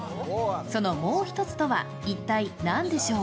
そのもう一つとは一体何でしょう？